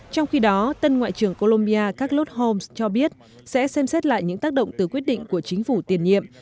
trong khi đó tân ngoại trưởng colombia carlos homes cho biết sẽ xem xét lại những tác động từ quyết định của chính phủ tiền nhiệm